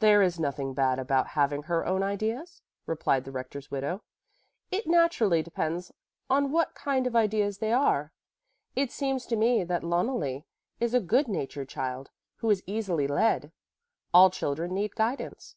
"There is nothing bad about having her own ideas," replied the rector's widow. "It naturally depends on what kind of ideas they are. It seems to me that Loneli is a good natured child, who is easily led. All children need guidance.